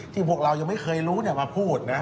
พวกเรายังไม่เคยรู้มาพูดนะ